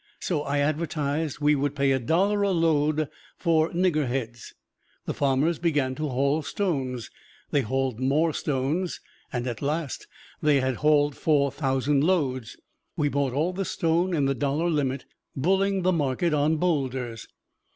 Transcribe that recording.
So I advertised we would pay a dollar a load for niggerheads. The farmers began to haul stones; they hauled more stones, and at last they had hauled four thousand loads. We bought all the stone in the dollar limit, bulling the market on boulders.